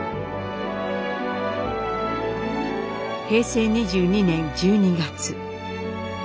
平成２２年１２月。